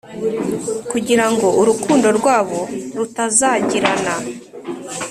kugira ngo urukundo rwabo rutazagirana